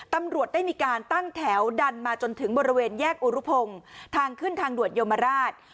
ตำรวจได้มีการตั้งแถวดันมาจนถึงบริเวณแยกอุรุพงศ์ทางขึ้นทางด่วนโยมราช